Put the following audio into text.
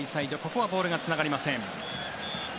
ここはボールがつながりません。